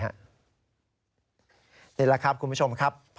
นี่แหละครับคุณผู้ชมครับ